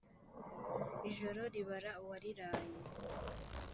Ijoro ribara uwariraye